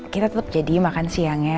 kita tetap jadi makan siang ya